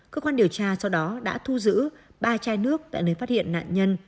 cơ quan điều tra sau đó đã thu giữ ba chai nước tại nơi phát hiện nạn nhân